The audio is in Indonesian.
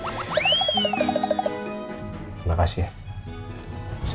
terima kasih ya